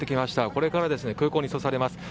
これから空港に移送されます。